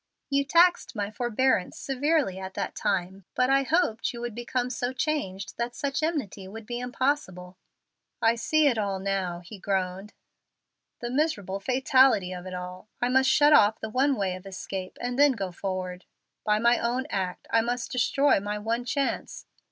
You taxed my forbearance severely at that time. But I hoped you would become so changed that such enmity would be impossible." "I see it all now," he groaned "the miserable fatality of it all. I must shut off the one way of escape, and then go forward. By my own act, I must destroy my one chance.